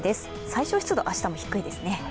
最小湿度、明日も低いですね。